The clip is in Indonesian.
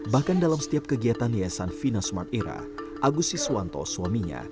bahkan dalam setiap kegiatan yayasan fina smart era agusi suwanto suaminya